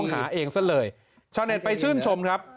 ขนมเน็ตไปชื่นชมครับ